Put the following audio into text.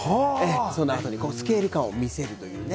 その後にスケール感を見せるというね。